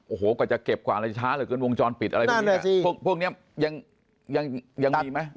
โอ้โหกว่าจะเก็บกว่าหรือช้าหรือวงจรปิดพวกนี้ยังมีไหม